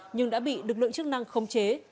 nhưng đã bị lực lượng chức năng không chế